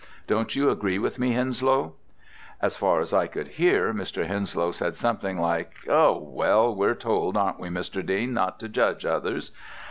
Don't you agree with me, Henslow?' As far as I could hear Mr. Henslow said something like 'Oh! well we're told, aren't we, Mr. Dean, not to judge others?'